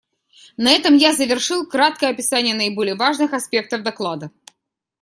На этом я завершил краткое описание наиболее важных аспектов доклада.